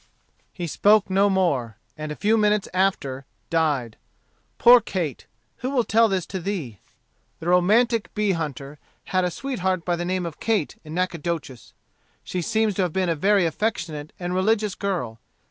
He spoke no more, and a few minutes after died. Poor Kate, who will tell this to thee? The romantic bee hunter had a sweetheart by the name of Kate in Nacogdoches. She seems to have been a very affectionate and religious girl.